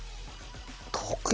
得意？